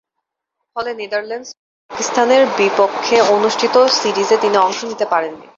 ফলে নেদারল্যান্ডস ও পাকিস্তানের বিপক্ষে অনুষ্ঠিত সিরিজে অংশ নিতে পারেননি তিনি।